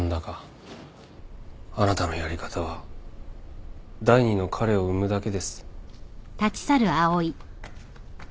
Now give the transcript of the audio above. あなたのやり方は第二の彼を生むだけです。